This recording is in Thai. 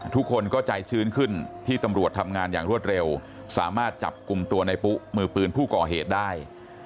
ทุกคนก็ใจชื้นขึ้นที่ตำรวจทำงานอย่างรวดเร็วสามารถจับกลุ่มตัวในปุ๊มือปืนผู้ก่อเหตุได้